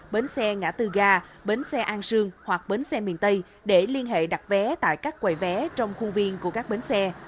bến xe ngã tư ga bến xe an sương hoặc bến xe miền tây để liên hệ đặt vé tại các quầy vé trong khuôn viên của các bến xe